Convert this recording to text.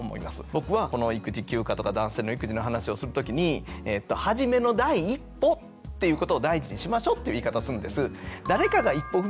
僕はこの育児休暇とか男性の育児の話をする時に初めの第一歩っていうことを大事にしましょうって言い方するんです。